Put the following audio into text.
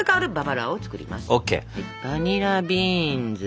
バニラビーンズ。